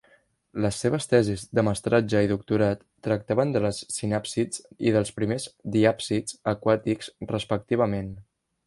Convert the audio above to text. Les seves tesis de mestratge i doctorat tractaven de les sinàpsids i dels primers diàpsids aquàtics respectivament.